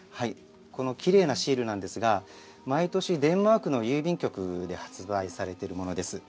このきれいなシールなんですが、毎年、デンマークの郵便局で発売されているものです。